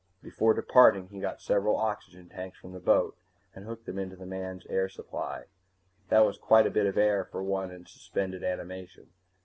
Before departing, he got several oxygen tanks from the boat and hooked them into the man's air supply. That was quite a bit of air for one in suspended animation.